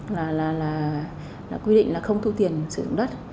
là quy định là không thu tiền sử dụng đất